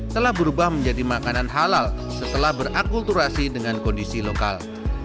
telah berubah menjadi makanan halal setelah berakulturasi dengan kondisi lokal